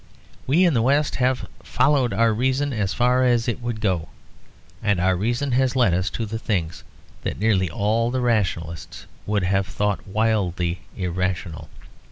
We in the West have "followed our reason as far as it would go," and our reason has led us to things that nearly all the rationalists would have thought wildly irrational.